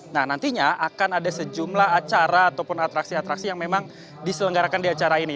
nah nantinya akan ada sejumlah acara ataupun atraksi atraksi yang memang diselenggarakan di acara ini